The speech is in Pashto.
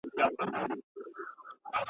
هسي نه چي د زمان خزان دي یوسي ..